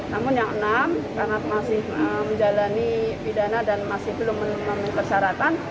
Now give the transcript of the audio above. namun yang enam karena masih menjalani pidana dan masih belum memenuhi persyaratan